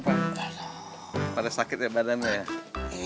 pada sakit ya badannya ya